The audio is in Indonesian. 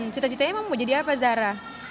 cita citanya mau jadi apa zara